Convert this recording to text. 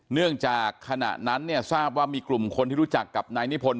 เนื่องจากขณะนั้นเนี่ยทราบว่ามีกลุ่มคนที่รู้จักกับนายนิพนธ